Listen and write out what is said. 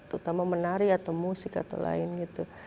terutama menari atau musik atau lain gitu